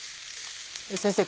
先生